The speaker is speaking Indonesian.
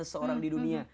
seseorang di dunia